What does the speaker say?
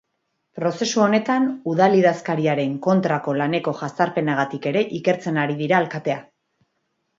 Prozesu honetan, udal idazkariaren kontrako laneko jazarpenagatik ere ikertzen ari dira alkatea.